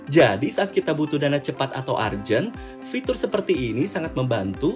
jadi saat kita butuh dana cepat atau urgent fitur seperti ini sangat membantu